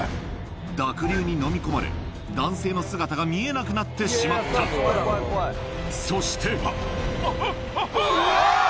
濁流にのみ込まれ男性の姿が見えなくなってしまったそしてあっあっあぁ！